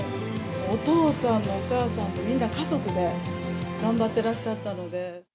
お父さんもお母さんもみんな家族で頑張ってらっしゃったので。